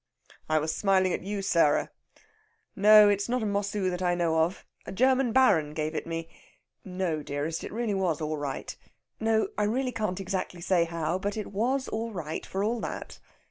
"I was smiling at you, Sarah. No, it's not a Mossoo that I know of. A German Baron gave it me.... No, dearest! It really was all right.... No I really can't exactly say how; but it was all right for all that...."